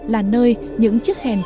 là nơi những chiếc khen tròn vòn